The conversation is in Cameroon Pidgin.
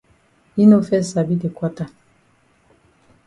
Yi no fes sabi de kwata.